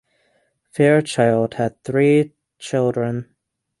Fairchild had three children.